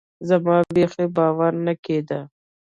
زما بيخي باور نه کېده.